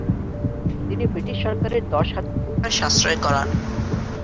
তিনি বৃটিশ সরকারের দশ হাজার টাকার সাশ্রয় করান।